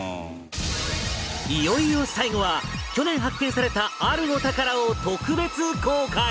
いよいよ最後は去年発見されたあるお宝を特別公開！